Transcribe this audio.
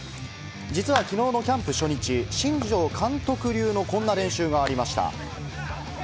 実はきのうのキャンプ初日、新庄監督流のこんな練習がありました。